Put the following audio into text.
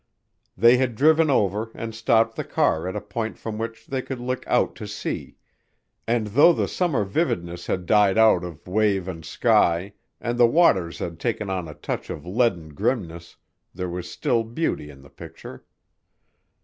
They had driven over and stopped the car at a point from which they could look out to sea, and though the summer vividness had died out of wave and sky and the waters had taken on a touch of a leaden grimness, there was still beauty in the picture.